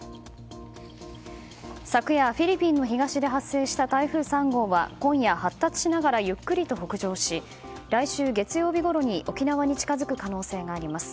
昨夜、フィリピンの東で発生した台風３号は今後、発達しながらゆっくりと北上し来週月曜日ごろに沖縄に近づく可能性があります。